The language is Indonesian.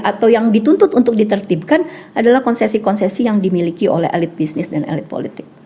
atau yang dituntut untuk ditertibkan adalah konsesi konsesi yang dimiliki oleh elit bisnis dan elit politik